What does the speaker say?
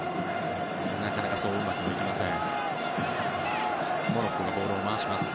なかなかそううまくは行きません。